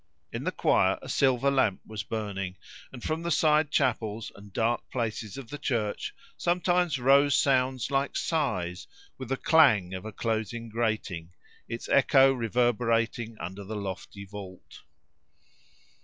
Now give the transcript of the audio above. In the choir a silver lamp was burning, and from the side chapels and dark places of the church sometimes rose sounds like sighs, with the clang of a closing grating, its echo reverberating under the lofty vault.